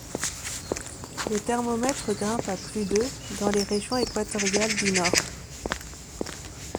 Le thermomètre grimpe à plus de dans les régions équatoriales du nord.